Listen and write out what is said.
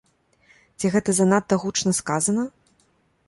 Ці гэта занадта гучна сказана?